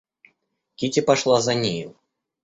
Кити пошла за нею.